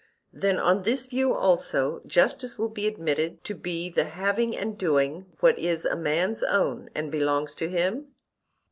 Then on this view also justice will be admitted to be the having and doing what is a man's own, and belongs to him?